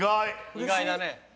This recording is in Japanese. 意外だね。